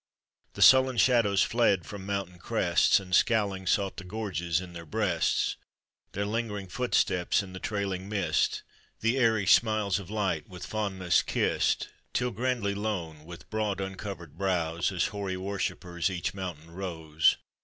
The sullen shadows fled from mountain crests, And scowling sought the gorges in their breasts, Their lingering footsteps in the trailing mist, The airy smiles of light with fondneM kissed, Till grandly lone, with broad, uncovered brow». As hoary worshipers each mountain rote.